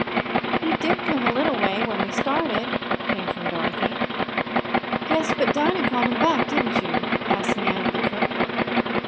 "He did come a little way, when we started," came from Dorothy. "Yes, but Dinah called him back; didn't you?" asked Nan of the cook.